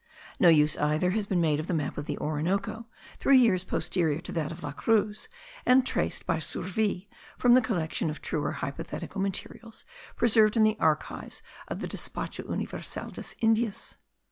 No use either has been made of a map of the Orinoco, three years posterior to that of La Cruz, and traced by Surville from the collection of true or hypothetical materials preserved in the archives of the Despacho universal de Indias.